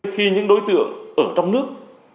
khi những đối tượng ở trong nước